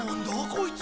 こいつ。